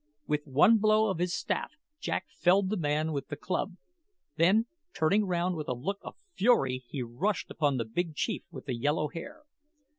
With one blow of his staff Jack felled the man with the club; then turning round with a look of fury he rushed upon the big chief with the yellow hair.